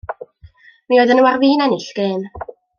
Mi oeddan nhw ar fin ennill gêm.